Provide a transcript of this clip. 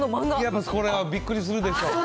やっぱそれはびっくりするでしょう。